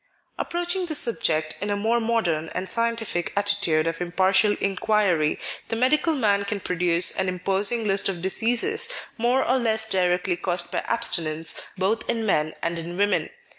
Approaching the subject in a more modern and scientific attitude of impartial inquiry, the medical man can produce an imposing list of diseases more or less directly caused by abstinence both in men and in women.